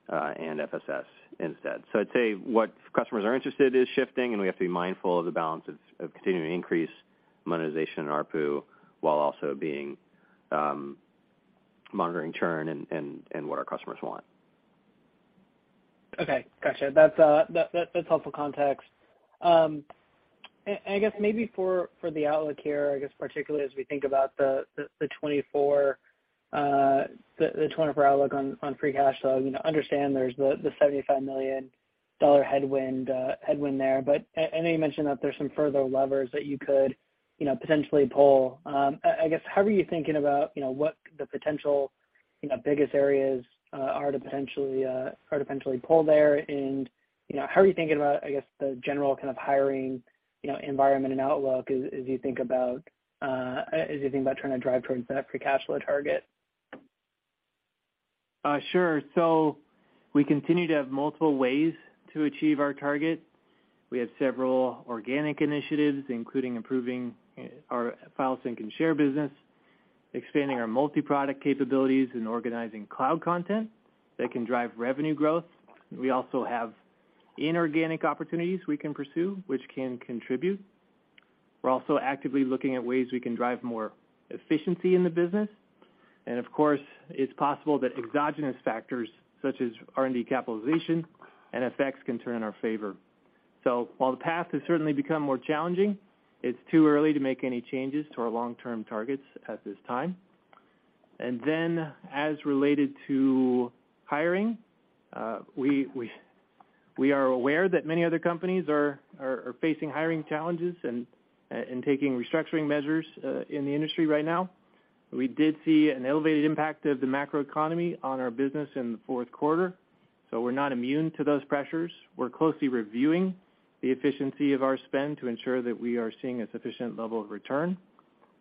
and FSS instead. I'd say what customers are interested is shifting, and we have to be mindful of the balance of continuing to increase monetization and ARPU while also being monitoring churn and what our customers want. Okay. Gotcha. That's helpful context. I guess maybe for the outlook here, I guess particularly as we think about the 2024 outlook on free cash flow, you know, understand there's the $75 million headwind there. I know you mentioned that there's some further levers that you could, you know, potentially pull. I guess how are you thinking about, you know, what the potential, you know, biggest areas are to potentially pull there? You know, how are you thinking about, I guess, the general kind of hiring, you know, environment and outlook as you think about trying to drive towards that free cash flow target? Sure. We continue to have multiple ways to achieve our target. We have several organic initiatives, including improving our File Sync and Share business, expanding our multi-product capabilities, and organizing cloud content that can drive revenue growth. We also have inorganic opportunities we can pursue, which can contribute. We're also actively looking at ways we can drive more efficiency in the business. Of course, it's possible that exogenous factors such as R&D capitalization and FX can turn in our favor. While the path has certainly become more challenging, it's too early to make any changes to our long-term targets at this time. As related to hiring, we are aware that many other companies are facing hiring challenges and taking restructuring measures in the industry right now. We did see an elevated impact of the macroeconomy on our business in the fourth quarter. We're not immune to those pressures. We're closely reviewing the efficiency of our spend to ensure that we are seeing a sufficient level of return,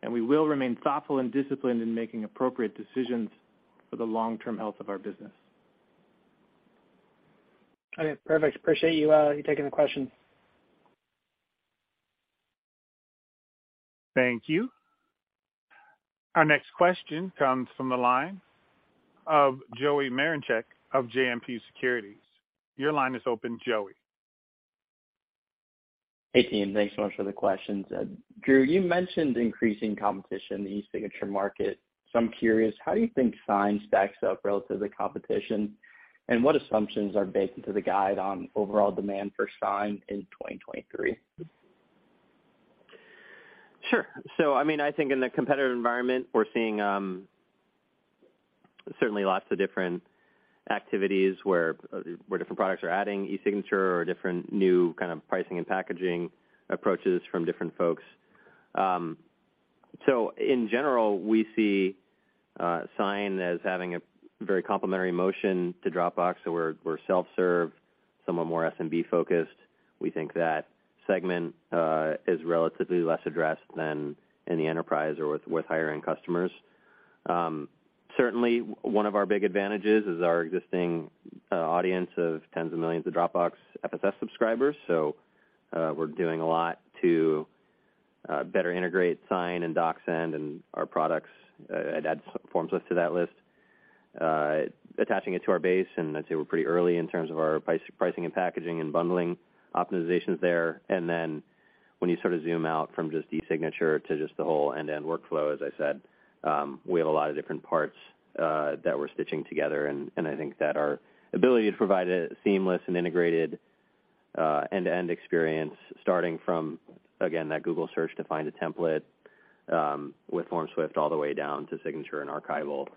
and we will remain thoughtful and disciplined in making appropriate decisions for the long-term health of our business. Okay, perfect. Appreciate you taking the question. Thank you. Our next question comes from the line of Joey Marincek of JMP Securities. Your line is open, Joey. Hey, team. Thanks so much for the questions. Drew, you mentioned increasing competition in the e-signature market, so I'm curious, how do you think Sign stacks up relative to competition, and what assumptions are baked into the guide on overall demand for Sign in 2023? Sure. I mean, I think in the competitive environment, we're seeing certainly lots of different activities where different products are adding e-signature or different new kind of pricing and packaging approaches from different folks. In general, we see Sign as having a very complementary motion to Dropbox. We're self-serve, some are more SMB focused. We think that segment is relatively less addressed than in the enterprise or with higher-end customers. Certainly one of our big advantages is our existing audience of tens of millions of Dropbox FSS subscribers. We're doing a lot to better integrate Sign and DocSend and our products, add FormSwift to that list, attaching it to our base, and I'd say we're pretty early in terms of our pricing and packaging and bundling optimizations there. When you sort of zoom out from just e-signature to just the whole end-to-end workflow, as I said, we have a lot of different parts that we're stitching together, and I think that our ability to provide a seamless and integrated end-to-end experience starting from, again, that Google search to find a template with FormSwift all the way down to signature and archival,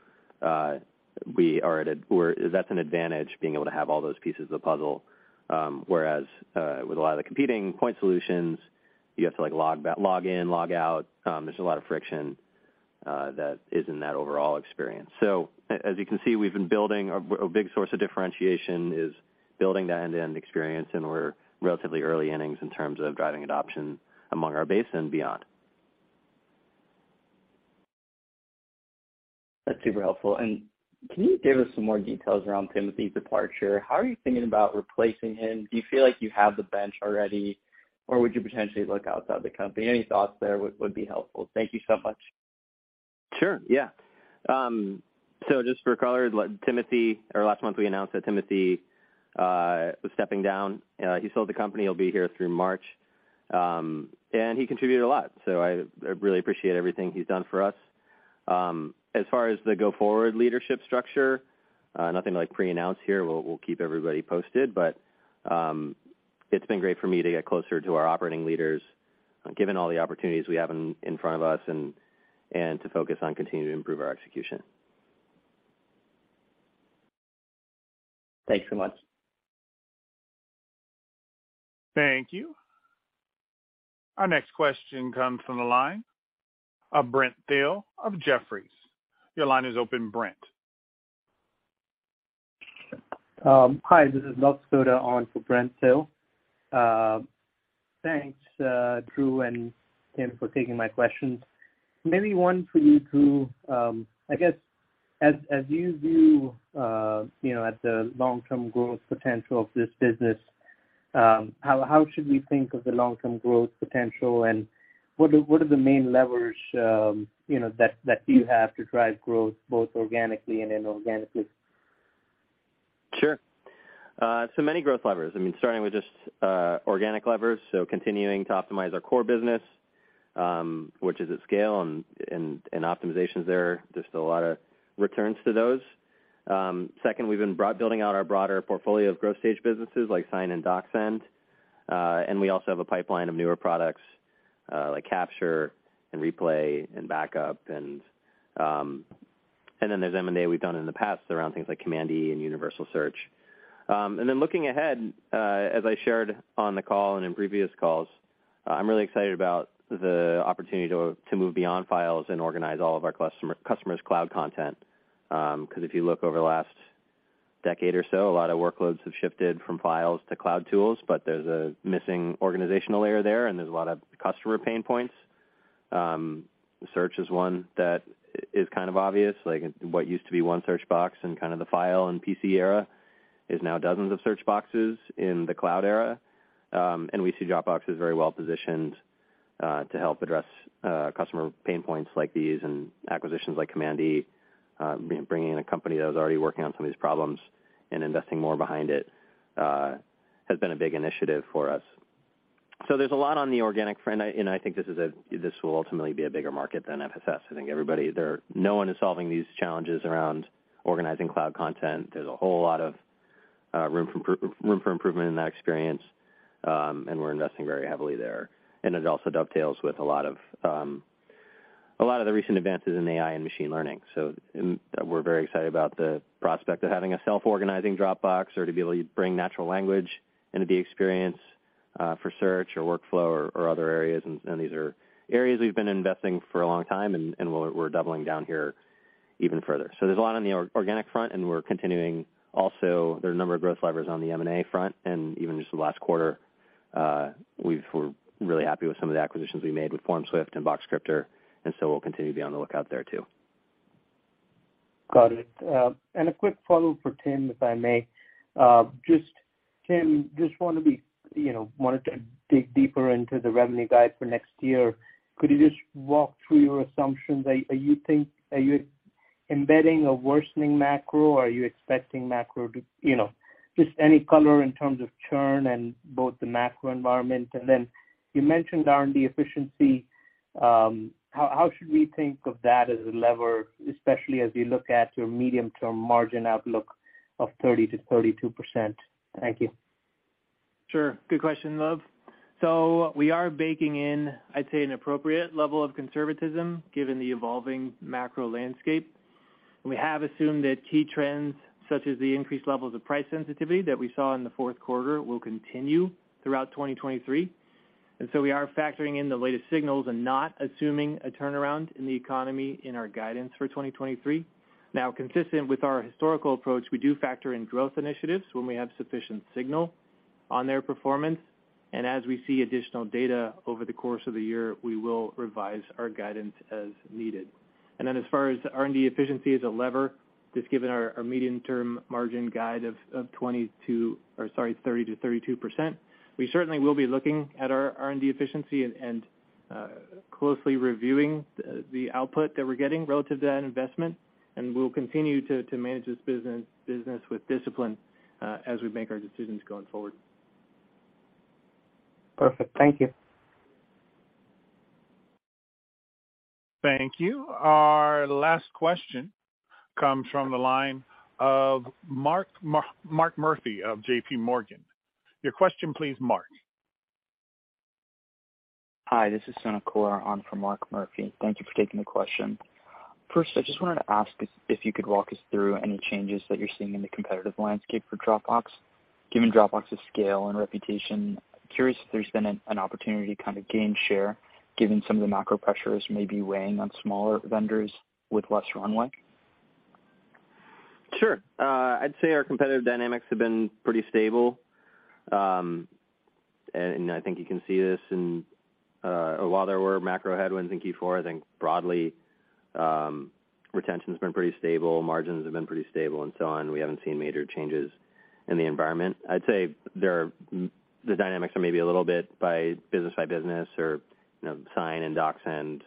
that's an advantage, being able to have all those pieces of the puzzle. Whereas, with a lot of the competing point solutions, you have to, like, log in, log out, there's a lot of friction that is in that overall experience. As you can see, we've been building a big source of differentiation is building that end-to-end experience, and we're relatively early innings in terms of driving adoption among our base and beyond. That's super helpful. Can you give us some more details around Timothy's departure? How are you thinking about replacing him? Do you feel like you have the bench already, or would you potentially look outside the company? Any thoughts there would be helpful. Thank you so much. Sure, yeah. So just for color, Timothy, last month we announced that Timothy was stepping down. He sold the company. He'll be here through March. And he contributed a lot, so I really appreciate everything he's done for us. As far as the go-forward leadership structure, nothing to, like, pre-announce here. We'll keep everybody posted. It's been great for me to get closer to our operating leaders, given all the opportunities we have in front of us and to focus on continuing to improve our execution. Thanks so much. Thank you. Our next question comes from the line of Brent Thill of Jefferies. Your line is open, Brent. Hi, this is Luv Sodha on for Brent Thill. Thanks, Drew and Tim for taking my questions. Maybe one for you, Drew. I guess as you view, you know, at the long-term growth potential of this business, how should we think of the long-term growth potential, and what are the main levers, you know, that you have to drive growth both organically and inorganically? Sure. So many growth levers. I mean, starting with just organic levers, so continuing to optimize our core business, which is at scale and optimizations there. There's still a lot of returns to those. Second, we've been building out our broader portfolio of growth stage businesses like Sign and DocSend. We also have a pipeline of newer products, like Capture and Replay and Backup, and then there's M&A we've done in the past around things like Command E and universal search. Then looking ahead, as I shared on the call and in previous calls, I'm really excited about the opportunity to move beyond files and organize all of our customer's cloud content. 'Cause if you look over the last decade or so, a lot of workloads have shifted from files to cloud tools, but there's a missing organizational layer there, and there's a lot of customer pain points. Search is one that is kind of obvious. Like what used to be one search box in kind of the file and PC era is now dozens of search boxes in the cloud era. We see Dropbox is very well-positioned to help address customer pain points like these and acquisitions like Command E, bringing in a company that was already working on some of these problems and investing more behind it has been a big initiative for us. There's a lot on the organic front, and I think this will ultimately be a bigger market than FSS. I think everybody there no one is solving these challenges around organizing cloud content. There's a whole lot of room for improvement in that experience, and we're investing very heavily there. It also dovetails with a lot of the recent advances in AI and machine learning. We're very excited about the prospect of having a self-organizing Dropbox or to be able to bring natural language into the experience for search or workflow or other areas. These are areas we've been investing for a long time, and we're doubling down here even further. There's a lot on the organic front, and we're continuing. There are a number of growth levers on the M&A front, and even just the last quarter, we're really happy with some of the acquisitions we made with FormSwift and Boxcryptor, and so we'll continue to be on the lookout there too. Got it. A quick follow for Tim, if I may. Tim, you know, wanted to dig deeper into the revenue guide for next year. Could you just walk through your assumptions? Are you embedding a worsening macro? Are you expecting macro to, you know, just any color in terms of churn and both the macro environment. Then you mentioned R&D efficiency. How should we think of that as a lever, especially as we look at your medium term margin outlook of 30%-32%? Thank you. Sure. Good question, Luv. We are baking in, I'd say, an appropriate level of conservatism given the evolving macro landscape. We have assumed that key trends, such as the increased levels of price sensitivity that we saw in the fourth quarter, will continue throughout 2023. We are factoring in the latest signals and not assuming a turnaround in the economy in our guidance for 2023. Now, consistent with our historical approach, we do factor in growth initiatives when we have sufficient signal on their performance, and as we see additional data over the course of the year, we will revise our guidance as needed. As far as R&D efficiency as a lever, just given our medium term margin guide of 20% to... Sorry, 30%-32%, we certainly will be looking at our R&D efficiency and closely reviewing the output that we're getting relative to that investment. We'll continue to manage this business with discipline as we make our decisions going forward. Perfect. Thank you. Thank you. Our last question comes from the line of Mark Murphy of JPMorgan. Your question please, Mark. Hi, this is Suna Kor on for Mark Murphy. Thank you for taking the question. First, I just wanted to ask if you could walk us through any changes that you're seeing in the competitive landscape for Dropbox, given Dropbox's scale and reputation. Curious if there's been an opportunity to kind of gain share given some of the macro pressures may be weighing on smaller vendors with less runway. Sure. I'd say our competitive dynamics have been pretty stable. I think you can see this in, while there were macro headwinds in Q4, I think broadly, retention's been pretty stable, margins have been pretty stable and so on. We haven't seen major changes in the environment. I'd say there are the dynamics are maybe a little bit by business by business or, you know, Sign and DocSend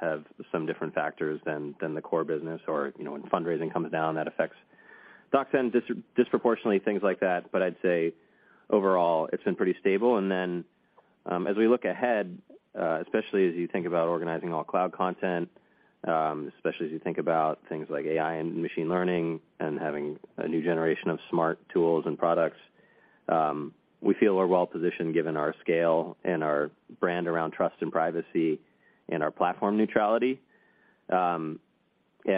have some different factors than the core business or, you know, when fundraising comes down, that affects DocSend disproportionately, things like that. I'd say overall it's been pretty stable. As we look ahead, especially as you think about organizing all cloud content, especially as you think about things like AI and machine learning and having a new generation of smart tools and products, we feel we're well-positioned given our scale and our brand around trust and privacy and our platform neutrality.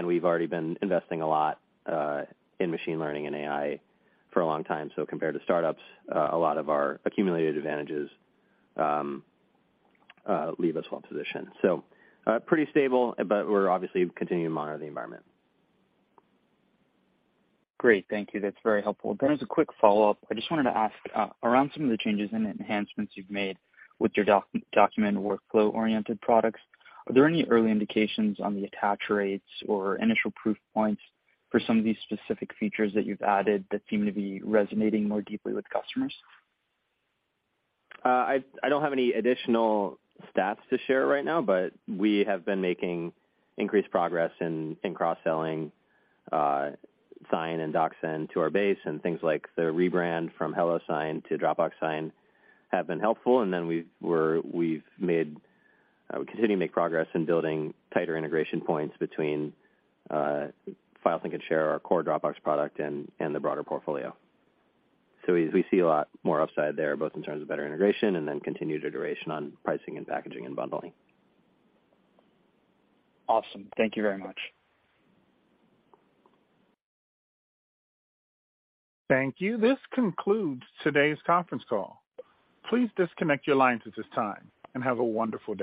We've already been investing a lot in machine learning and AI for a long time. Compared to startups, a lot of our accumulated advantages leave us well-positioned. Pretty stable, but we're obviously continuing to monitor the environment. Great. Thank you. That's very helpful. As a quick follow-up, I just wanted to ask, around some of the changes and enhancements you've made with your doc-document and workflow-oriented products, are there any early indications on the attach rates or initial proof points for some of these specific features that you've added that seem to be resonating more deeply with customers? I don't have any additional stats to share right now, but we have been making increased progress in cross-selling Sign and DocSend to our base and things like the rebrand from HelloSign to Dropbox Sign have been helpful. We continue to make progress in building tighter integration points between file sync and share, our core Dropbox product, and the broader portfolio. We see a lot more upside there, both in terms of better integration and then continued iteration on pricing and packaging and bundling. Awesome. Thank you very much. Thank you. This concludes today's conference call. Please disconnect your lines at this time and have a wonderful day.